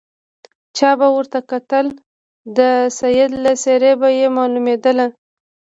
چا به ورته وکتل د سید له څېرې به یې معلومېدله.